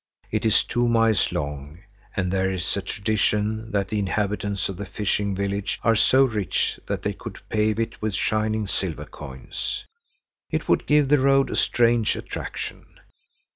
It is two miles long, and there is a tradition that the inhabitants of the fishing village are so rich that they could pave it with shining silver coins. It would give the road a strange attraction.